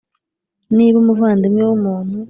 niba umuvandimwe w umuntu